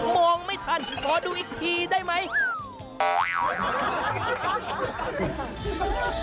มองไม่ทันขอดูอีกทีได้ไหม